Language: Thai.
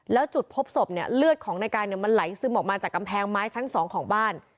แล้วจุดพบศพเนี่ยเลือดของนายการมันไหลซึมออกมาจากกำแพงไม้ชั้น๒ของบ้าน